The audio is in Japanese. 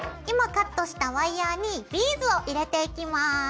今カットしたワイヤーにビーズを入れていきます。